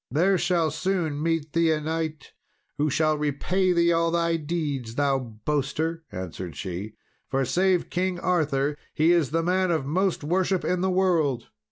"There shall soon meet thee a knight who shall repay thee all thy deeds, thou boaster," answered she, "for, save King Arthur, he is the man of most worship in the world."